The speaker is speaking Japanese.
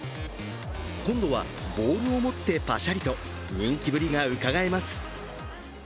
今度はボールを持ってパシャリと人気ぶりがうかがえます。